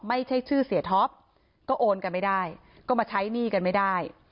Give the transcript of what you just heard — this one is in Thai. ไม่ใช่ชื่อเสียท็อปก็โอนกันไม่ได้ก็มาใช้หนี้กันไม่ได้